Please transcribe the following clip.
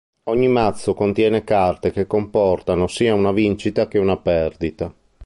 Ogni mazzo contiene carte che comportano sia una vincita che una perdita.